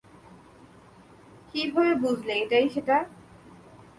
কীভাবে বুঝলে এটাই সেটা?